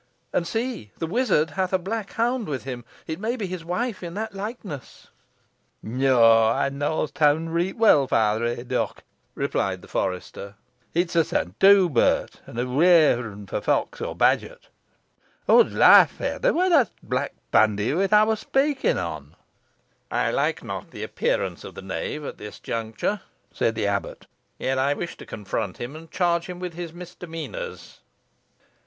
"And see, the wizard hath a black hound with him! It may be his wife, in that likeness." "Naw, ey knoas t' hount reet weel, Feyther Haydocke," replied the forester; "it's a Saint Hubert, an' a rareun fo' fox or badgert. Odds loife, feyther, whoy that's t' black bandyhewit I war speaking on." "I like not the appearance of the knave at this juncture," said the abbot; "yet I wish to confront him, and charge him with his midemeanours."